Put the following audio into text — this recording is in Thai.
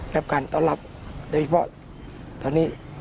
รับการต้อนรับโดยเฉพาะตอนนี้